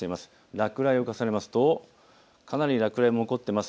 落雷を重ねますとかなり落雷も起こっています。。